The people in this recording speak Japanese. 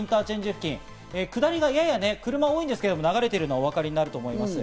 付近、下りがやや車多いんですけど流れてるのがお分かりになると思います。